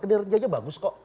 kinerjanya bagus kok